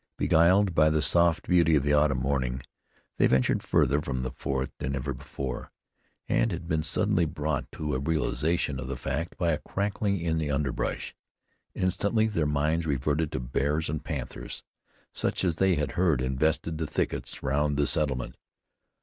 Beguiled by the soft beauty of the autumn morning they ventured farther from the fort than ever before, and had been suddenly brought to a realization of the fact by a crackling in the underbrush. Instantly their minds reverted to bears and panthers, such as they had heard invested the thickets round the settlement.